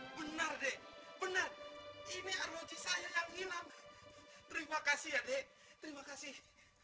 benar deh benar ini arloji saya yang hilang terima kasih ya dek terima kasih